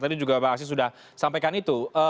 tadi juga bang asis sudah sampaikan itu